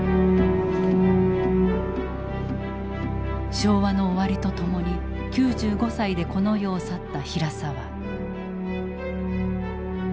昭和の終わりとともに９５歳でこの世を去った平沢。